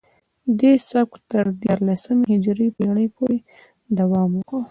دې سبک تر دیارلسمې هجري پیړۍ پورې دوام وکړ